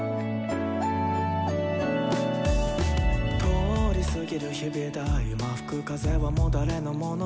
「通り過ぎる日々だ今吹く風はもう誰の物？」